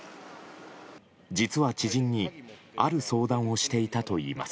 実は知人にある相談をしていたといいます。